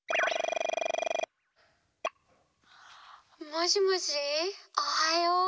もしもしおはよう。